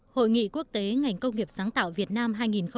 hội nghị quốc tế ngành công nghiệp sáng tạo việt nam hai nghìn một mươi sáu